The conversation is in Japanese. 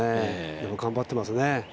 でも頑張ってますね。